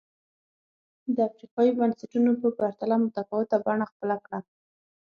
د افریقايي بنسټونو په پرتله متفاوته بڼه خپله کړه.